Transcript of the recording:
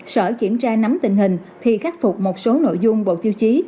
sở kiểm tra nắm tình hình thì khắc phục một số nội dung bộ tiêu chí